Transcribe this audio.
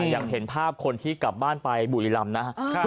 ยังเห็นภาพคนที่กลับบ้านไปบุรีรำนะครับ